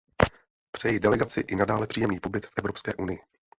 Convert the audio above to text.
Přeji delegaci i nadále příjemný pobyt v Evropské unii.